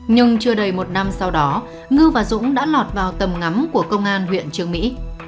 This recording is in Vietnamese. nhưng chưa đầy một năm sau đó ngư và dũng đã lọt vào tầm ngắm của công an huyện trường mỹ